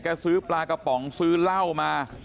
ซื้อปลากระป๋องซื้อเหล้ามา